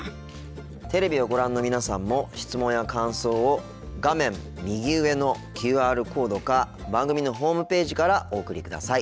テレビをご覧の皆さんも質問や感想を画面右上のＱＲコードか番組のホームページからお送りください。